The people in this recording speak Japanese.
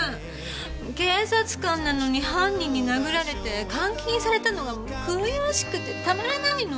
警察官なのに犯人に殴られて監禁されたのが悔しくてたまらないの！